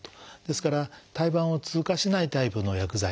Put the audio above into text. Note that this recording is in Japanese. ですから胎盤を通過しないタイプの薬剤。